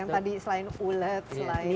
yang tadi selain ulet selain